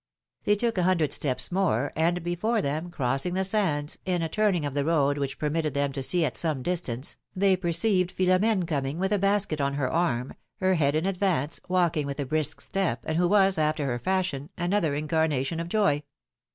They took a hundred steps more, and before them, crossing the sands, in a turning of the road which per mitted them to see at some distance, they perceived Philo m^ne coming, with a basket on her arm, her head in advance, walking with a brisk step, and who was, after her fashion, another incarnation of joy.